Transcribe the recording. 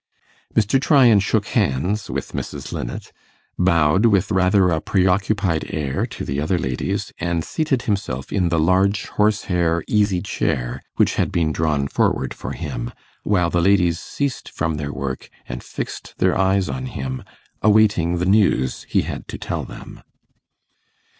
Mr. Tryan shook hands with Mrs. Linnet, bowed with rather a preoccupied air to the other ladies, and seated himself in the large horse hair easy chair which had been drawn forward for him, while the ladies ceased from their work, and fixed their eyes on him, awaiting the news he had to tell them.